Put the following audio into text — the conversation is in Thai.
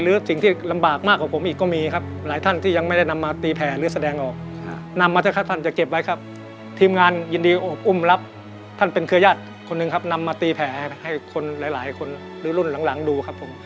อุ้มรับท่านเป็นเครือญาติคนหนึ่งครับนำมาตีแผลให้คนหลายคนหรือรุ่นหลังดูครับผม